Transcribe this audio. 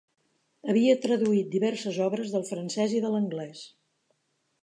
Havia traduït diverses obres del francès i de l'anglès.